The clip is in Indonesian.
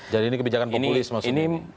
jadi ini kebijakan populis maksudnya